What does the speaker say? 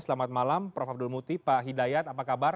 selamat malam prof abdul muti pak hidayat apa kabar